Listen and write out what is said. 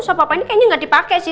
sobapak ini kayaknya gak dipakai sih